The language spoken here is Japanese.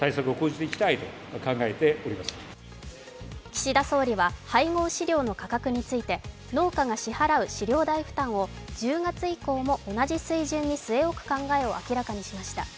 岸田総理は配合飼料の価格について農家が支払う飼料代負担を１０月以降も同じ水準に据え置く考えを明らかにしました。